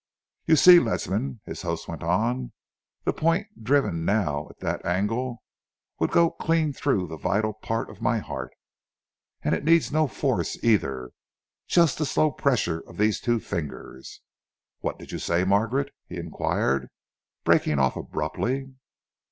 "You see, Ledsam," his host went on, "that point driven now at that angle would go clean through the vital part of my heart. And it needs no force, either just the slow pressure of these two fingers. What did you say, Margaret?" he enquired, breaking off abruptly.